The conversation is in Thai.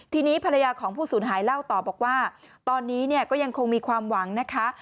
ทีนี้ภรรยาของผู้สูญหายเล่าต่อบอกว่าตอนนี้เนี่ยก็ยังคงมีความหวังนะคะ